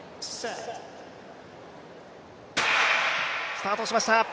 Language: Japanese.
スタートしました。